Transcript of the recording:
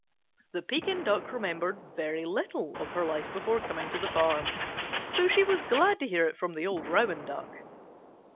The Pekin Duck remembered very little of her life before coming to the farm, so she was glad to hear of it from the old Rouen Duck.